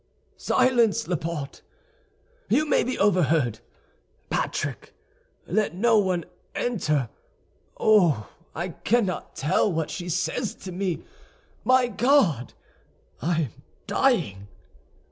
"Silence, Laporte, you may be overheard. Patrick, let no one enter. Oh, I cannot tell what she says to me! My God, I am dying!"